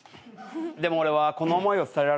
でも俺はこの思いを伝えられない。